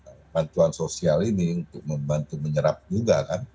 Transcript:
dan kebetulan sosial ini untuk membantu menyerap juga kan